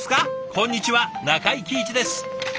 こんにちは中井貴一です。